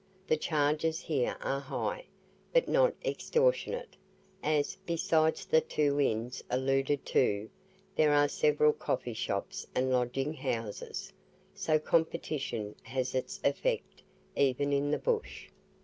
The charges here are high, but not extortionate, as, besides the two inns alluded to, there are several coffee shops and lodging houses; so competition has its effect even in the bush.